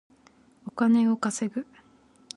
お金を稼ぐ